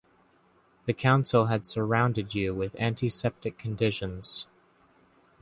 The Council had surrounded you with antiseptic conditions.